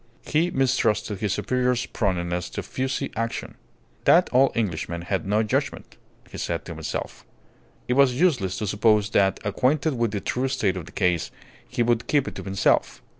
He mistrusted his superior's proneness to fussy action. That old Englishman had no judgment, he said to himself. It was useless to suppose that, acquainted with the true state of the case, he would keep it to himself.